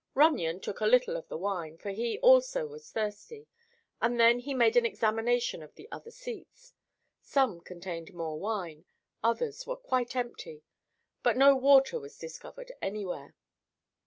Runyon took a little of the wine, for he also was thirsty, and then he made an examination of the other seats. Some contained more wine; others were quite empty; but no water was discovered anywhere.